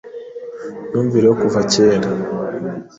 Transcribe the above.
imyimvire yo kuva kera